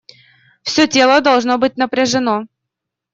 Все тело должно быть напряжено.